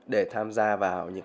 để tham gia vào những